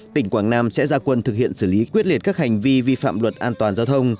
tỉnh quảng nam sẽ ra quân thực hiện xử lý quyết liệt các hành vi vi phạm luật an toàn giao thông